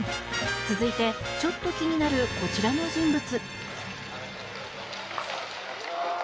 続いてちょっと気になるこちらの人物。